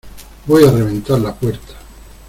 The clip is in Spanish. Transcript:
voy a reventar la puerta.